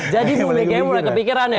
jadi bu mega mulai kepikiran ya